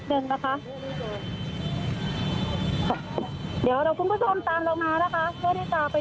ทางเจ้าหน้าที่ตำรวจนะครับก็ยังคงฝากหลักอยู่ที่บริเวณแปดจิ้นแดงนะคะ